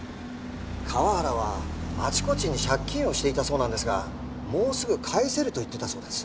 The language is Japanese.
河原はあちこちに借金をしていたそうなんですがもうすぐ返せると言っていたそうです。